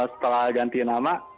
setelah ganti nama